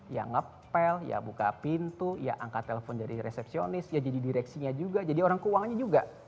ya ngepel ya buka pintu ya angkat telepon dari resepsionis ya jadi direksinya juga jadi orang keuangannya juga